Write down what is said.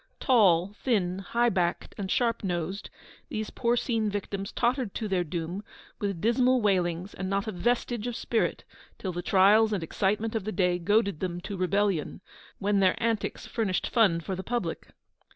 Tall, thin, high backed, and sharp nosed, these porcine victims tottered to their doom, with dismal wailings, and not a vestige of spirit till the trials and excitement of the day goaded them to rebellion, when their antics furnished fun for the public.